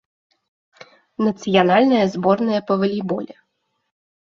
Нацыянальная зборная па валейболе.